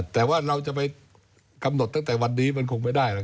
แต่ว่าเราจะไปกำหนดตั้งแต่วันนี้มันคงไม่ได้หรอก